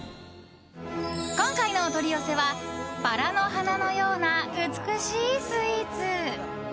今回のお取り寄せはバラの花のような美しいスイーツ。